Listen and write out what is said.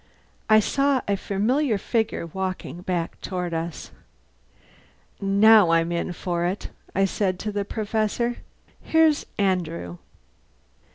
I saw a familiar figure walking back toward us. "Now I'm in for it," I said to the Professor. "Here's Andrew!"